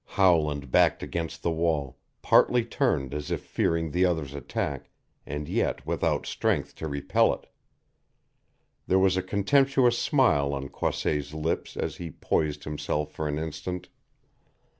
Howland backed against the wall, partly turned as if fearing the other's attack, and yet without strength to repel it. There was a contemptuous smile on Croisset's lips as he poised himself for an instant.